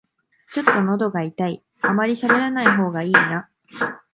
ちょっとのどが痛い、あまりしゃべらない方がいいな